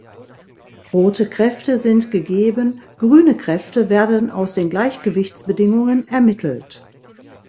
Rote Kräfte sind gegeben, grüne Kräfte werden aus den Gleichgewichtsbedingungen ermittelt.